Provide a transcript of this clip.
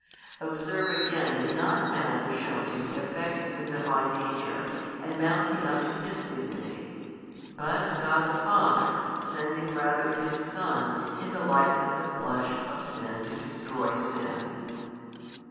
Observe again that not man is shewn to be affecting the Divine Nature, and mounting up to His Dignity; but God the Father sending rather His Son in the likeness of flesh of sin to destroy sin.